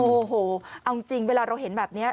โอ้โหเอาจริงเวลาเราเห็นแบบนี้